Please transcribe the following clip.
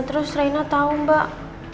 terus reyna tau mbak